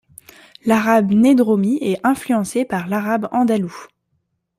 L'arabe nedromi est influencé par l'arabe andalou.